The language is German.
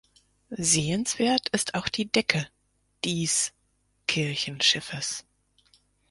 Sehenswert ist auch die Decke dies Kirchenschiffes.